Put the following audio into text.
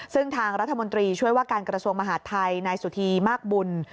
ซึ่งทางรัฐมนตรีช่วยว่าการกระทรวงมหาดไทยนายสุธีมากบุญ